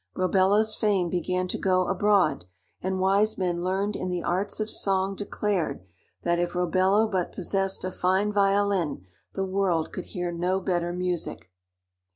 Robello's fame began to go abroad, and wise men learned in the arts of song declared that if Robello but possessed a fine violin, the world could hear no better music.